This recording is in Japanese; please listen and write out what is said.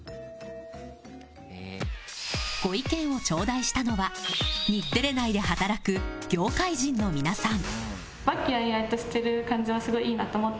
ご意見をちょうだいしたのは日テレ内で働く業界人の皆さん。